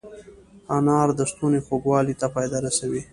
انار د ستوني خوږوالي ته فایده رسوي.